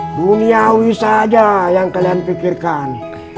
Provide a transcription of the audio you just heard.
duniawi saja yang kalian pikirkan